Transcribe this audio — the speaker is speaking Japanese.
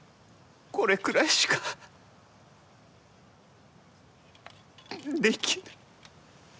これくらいしかできぬ。